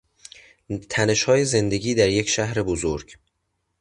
تنشهای زندگی در یک شهر بزرگ